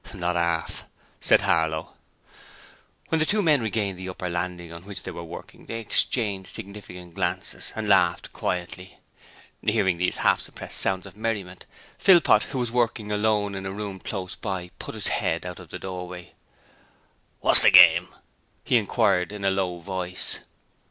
'Not arf!' said Harlow. When the two men regained the upper landing on which they were working they exchanged significant glances and laughed quietly. Hearing these half suppressed sounds of merriment, Philpot, who was working alone in a room close by, put his head out of the doorway. 'Wot's the game?' he inquired in a low voice.